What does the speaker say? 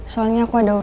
soalnya aku ada urusan